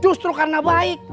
justru karena baik